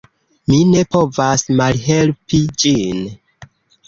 Mi ne povas malhelpi ĝin.